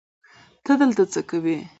ته دلته څه کوې؟